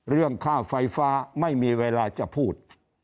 เรื่องค่าไฟฟ้าไม่มีเวลาจะพูด